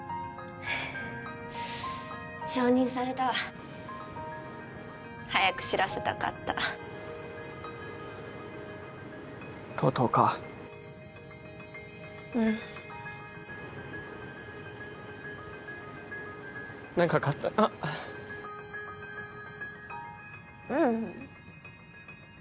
承認されたわ早く知らせたかったとうとうかうん長かったなうん